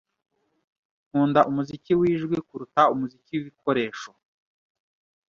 Nkunda umuziki wijwi kuruta umuziki wibikoresho.